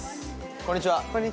こんにちは。